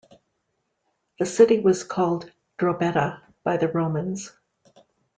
The city was called "Drobeta" by the Romans.